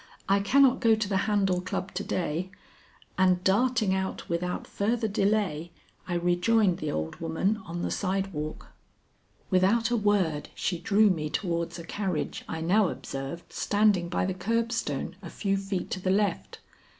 I cannot go to the Handel Club to day," and darting out without further delay, I rejoined the old woman on the sidewalk. Without a word she drew me towards a carriage I now observed standing by the curbstone a few feet to the left.